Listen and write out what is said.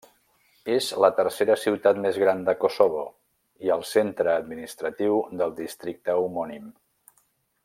És la tercera ciutat més gran de Kosovo i el centre administratiu del districte homònim.